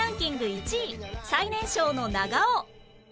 １位最年少の長尾